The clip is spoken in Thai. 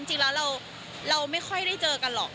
จริงแล้วเราไม่ค่อยได้เจอกันหรอก